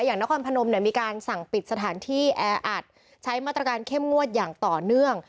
นครพนมเนี่ยมีการสั่งปิดสถานที่แออัดใช้มาตรการเข้มงวดอย่างต่อเนื่อง